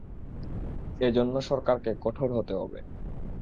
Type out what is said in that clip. এ জন্য সরকারকে কঠোর হতে হবে।